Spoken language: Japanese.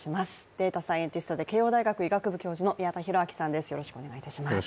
データサイエンティストで慶応大学医学部教授の宮田裕章さんです。